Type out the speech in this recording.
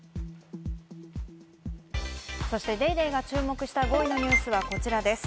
そして『ＤａｙＤａｙ．』が注目した５位のニュースはこちらです。